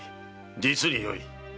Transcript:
実によい。